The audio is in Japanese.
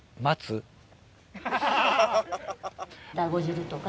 だご汁とか。